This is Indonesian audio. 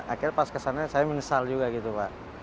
akhirnya pas kesana saya menyesal juga gitu pak